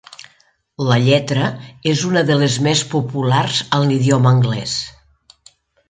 La lletra és una de les més populars en l'idioma anglès.